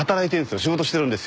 仕事してるんですよ。